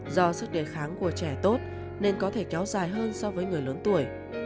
do sức đề kháng của trẻ tốt nên có thể kéo dài hơn so với người lớn tuổi